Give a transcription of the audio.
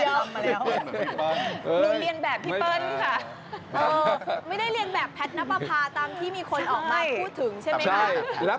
ไม่ได้เรียนแบบแพทนับประพาตามที่มีคนออกมาพูดถึงใช่ไหมครับ